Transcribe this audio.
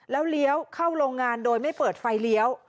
แล้วเลี้ยวเข้าโรงงานโดยไม่เปิดไฟเลี้ยว